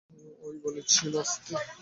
ও-ই বলেছিল আসতে।